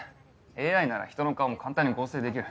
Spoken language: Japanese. ＡＩなら人の顔も簡単に合成できる。